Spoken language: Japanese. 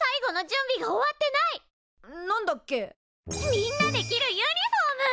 みんなで着るユニフォーム！